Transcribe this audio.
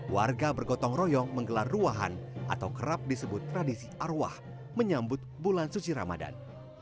warga bergotong royong menggelar ruahan atau kerap disebut tradisi arwah menyambut bulan suci ramadan